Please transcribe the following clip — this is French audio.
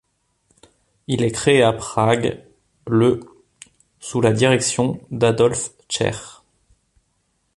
Il est créé à Prague le sous la direction d'Adolf Čech.